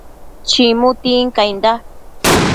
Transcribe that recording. chimu tincainda